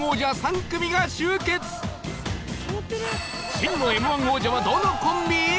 真の Ｍ−１ 王者はどのコンビ？